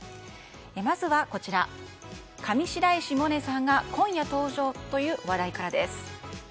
まずはこちら、上白石萌音さんが今夜登場という話題からです。